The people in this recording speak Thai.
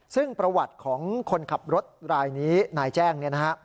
ซึ่งประวัติของคนขับรถรายนี้นายแจ้งเนี่ยนะฮะ